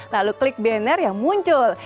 lalu klik banner yang muncul